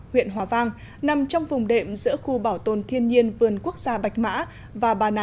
huyện hòa vang nằm trong vùng đệm giữa khu bảo tồn thiên nhiên vườn quốc gia bạch mã và bà nà